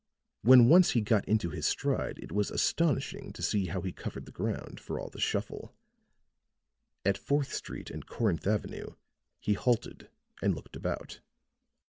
When once he got into his stride it was astonishing to see how he covered the ground, for all the shuffle. At Fourth Street and Corinth Avenue he halted and looked about.